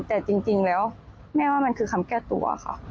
แต่จริงแล้วแม่ว่ามันคือคำแก้ตัวค่ะ